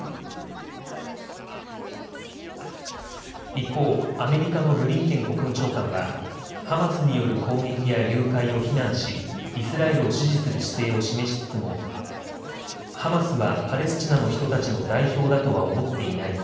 一方、アメリカのブリンケン国務長官はハマスによる攻撃や誘拐を非難しイスラエルを支持する姿勢を示しつつもハマスはパレスチナの人たちの代表だとは思っていない。